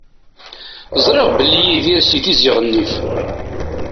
Ẓriɣ belli Yidir si Tizi Ɣennif.